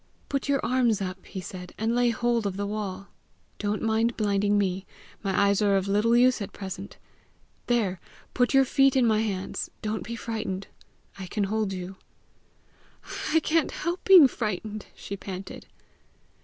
"Put your arms up," he said, "and lay hold of the wall. Don't mind blinding me; my eyes are of little use at present. There put your feet in my hands. Don't be frightened; I can hold you." "I can't help being frightened!" she panted.